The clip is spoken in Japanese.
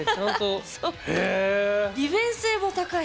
利便性も高い。